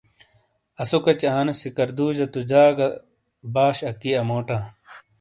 آسو کچی آنے سکردوجہ تو جاگہ تگہ باش اکی اَموٹاں۔